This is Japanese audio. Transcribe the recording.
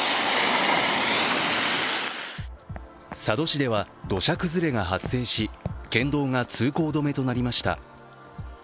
佐渡市では土砂崩れが発生し県道が通行止めとなりました。